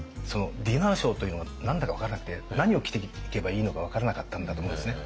ディナーショーというのが何だか分からなくて何を着ていけばいいのか分からなかったんだと思うんですね。